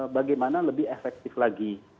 bagaimana lebih efektif lagi